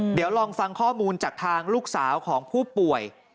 เดี๋ยวลองฟังข้อมูลจากทางลูกสาวของผู้ป่วย